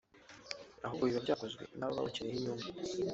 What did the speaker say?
ahubwo biba byakozwe n’ababakeneyeho inyungu